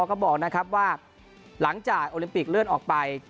ก็บอกนะครับว่าหลังจากโอลิมปิกเลื่อนออกไป